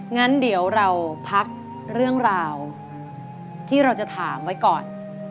งั้นเดี๋ยวเราพักเรื่องราวที่เราจะถามไว้ก่อน